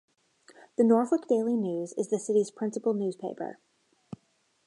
The "Norfolk Daily News" is the city's principal newspaper.